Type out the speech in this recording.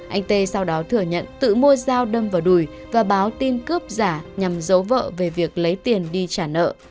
anh tê sau đó thừa nhận tự mua dao đâm vào đùi và báo tin cướp giả nhằm giấu vợ về việc lấy tiền đi trả nợ